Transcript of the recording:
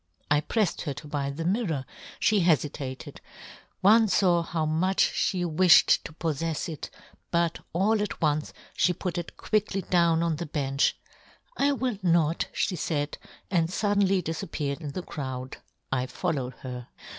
I preffed her to buy " the mirror, fhe hefitated ; one faw " how much fhe wifhed to poffefs it ;" but all at once {he put it quickly " down on the bench, ' I will not,' " fhe faid, and fuddenly difappeared " in the crowd. I followed her.